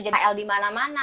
jadilah l di mana mana